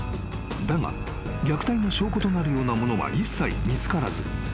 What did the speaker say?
［だが虐待の証拠となるようなものは一切見つからず］